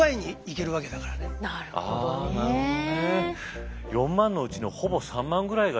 なるほどね。